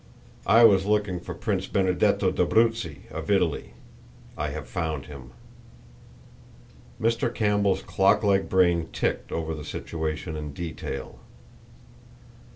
"I was looking for Prince Benedetto d'Abruzzi, of Italy. I have found him." Mr. Campbell's clock like brain ticked over the situation in detail.